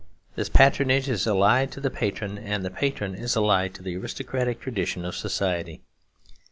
This patronage is allied to the patron, and the patron is allied to the aristocratic tradition of society.